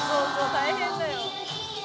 大変だよ